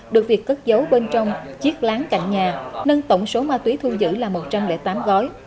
được việc cất giấu bên trong chiếc lán cạnh nhà nâng tổng số ma túy thu giữ là một trăm linh tám gói